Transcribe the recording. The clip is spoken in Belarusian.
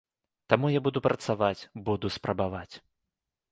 Таму я буду працаваць, буду спрабаваць.